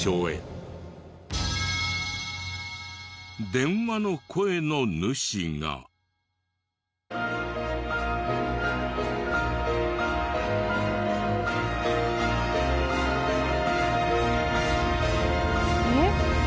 電話の声の主が。えっ？